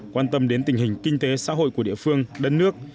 quan tâm đến tình hình kinh tế xã hội của địa phương đất nước